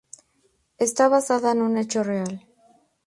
Está basada en un hecho real.